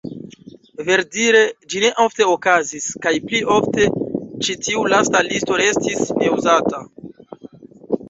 Verdire, ĝi ne ofte okazis, kaj pli ofte ĉi tiu lasta lito restis neuzata.